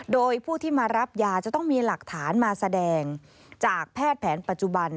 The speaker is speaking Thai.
โดยผู้ที่มารับยาจะต้องมีหลักฐานมาแสดงจากแพทย์แผนปัจจุบัน